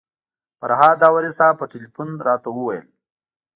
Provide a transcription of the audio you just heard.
فرهاد داوري صاحب په تیلفون راته وویل.